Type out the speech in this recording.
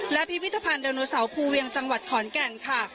และพิพิธภัณฑ์ไดโนเสาร์ภูเวียงจังหวัดขอนแก่นค่ะ